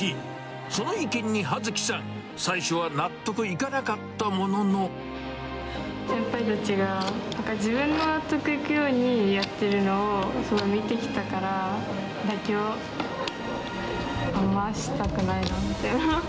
その意見にはずきさん、先輩たちが、なんか自分の納得いくようにやってるのを、すごい見てきたから、妥協をあんましたくないなって思う。